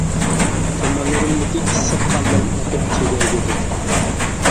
تومۇرلىرىمدىكى ئىسسىق قانلىرىم ئېقىپ تۈگەي دېدى.